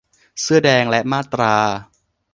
เสื้อแดง และมาตรา